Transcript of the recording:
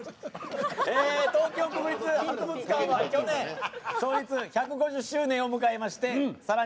東京国立博物館は去年創立１５０周年を迎えましてさらに